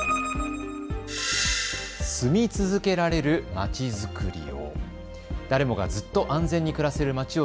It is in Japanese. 住み続けられるまちづくりを。